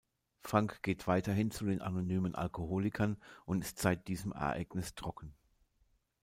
Frank geht weiterhin zu den Anonymen Alkoholikern und ist seit diesem Ereignis trocken.